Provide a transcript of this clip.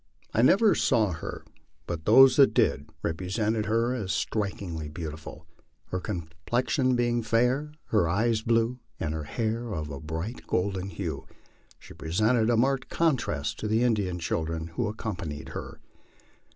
I never sa\r her, but those who did 46 MY LIFE ON THE PLAINS. represented her as strikingly beautiful ; her complexion being fair, hex eyes blue, and her hair of a bright golden hue, she presented a marked contrast to the Indian children who accompanied her.